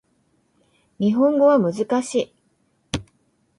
日本語は難しい